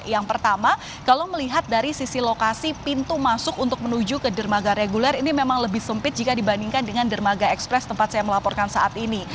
yang pertama kalau melihat dari sisi lokasi pintu masuk untuk menuju ke dermaga reguler ini memang lebih sempit jika dibandingkan dengan dermaga ekspres tempat saya melaporkan saat ini